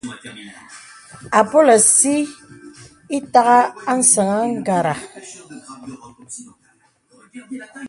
Àpōlə̀ sī itàgha a səŋ àgara.